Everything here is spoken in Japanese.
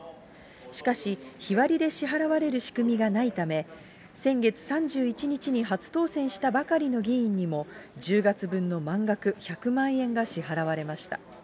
しかし、日割りで支払われる仕組みがないため、先月３１日に初当選したばかりの議員にも、１０月分の満額１００万円が支払われました。